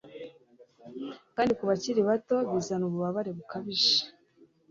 kandi kubakiri bato bizana ububabare bukabije